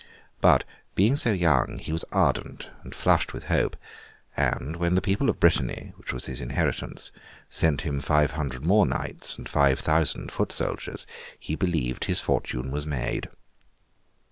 But, being so young, he was ardent and flushed with hope; and, when the people of Brittany (which was his inheritance) sent him five hundred more knights and five thousand foot soldiers, he believed his fortune was made.